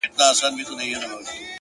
هغه اوس كډ ه وړي كا بل ته ځي!